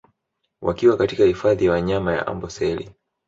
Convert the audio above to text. Wakiwa katika hifadhi ya wanyama ya Amboseli